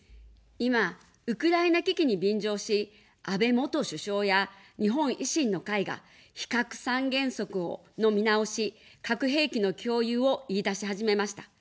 今、ウクライナ危機に便乗し、安倍元首相や日本維新の会が非核三原則の見直し、核兵器の共有を言いだし始めました。